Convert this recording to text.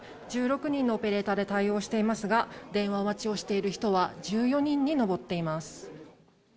１６人のオペレーターで対応していますが、電話待ちをしている人は１４人に上っています。